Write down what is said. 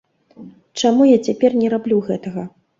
Чаму я цяпер не раблю гэтага?